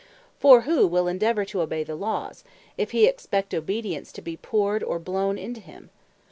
For who will endeavour to obey the Laws, if he expect Obedience to be Powred or Blown into him?